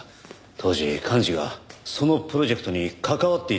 当時寛二がそのプロジェクトに関わっていたとしたら。